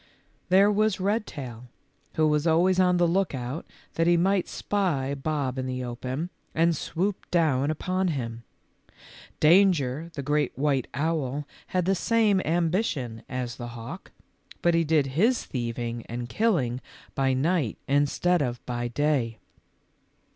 There was Redtail, who was always on the lookout that he might spy Bob in the open, and swoop down upon him. Danger, the great white owl, had the same ambition as the hawk, but he did his thieving and killing by night in stead of by day.